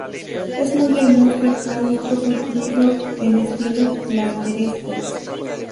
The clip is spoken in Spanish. Es muy hermoso el claustro construido en estilo plateresco.